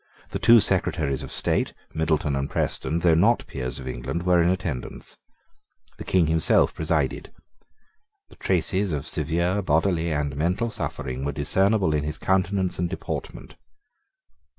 The two Secretaries of State, Middleton and Preston, though not peers of England, were in attendance. The King himself presided. The traces of severe bodily and mental suffering were discernible in his countenance and deportment.